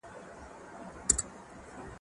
تر ورځو ښايي شپې وي وفاداري چي راځي